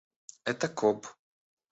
Это коб.